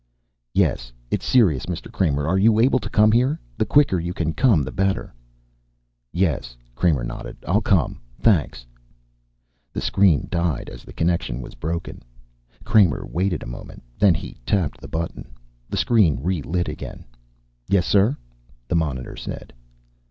"Yes, it's serious, Mr. Kramer. Are you able to come here? The quicker you can come the better." "Yes." Kramer nodded. "I'll come. Thanks." The screen died as the connection was broken. Kramer waited a moment. Then he tapped the button. The screen relit again. "Yes, sir," the monitor said.